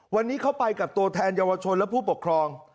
วันนี้เขาไปกับตัวแทนเยาวชนและผู้ปกครอง